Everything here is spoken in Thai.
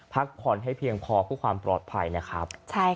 พักผ่อนให้เพียงพอเพื่อความปลอดภัยนะครับ